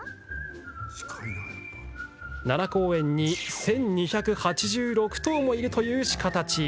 奈良公園に１２８６頭もいるという鹿たち。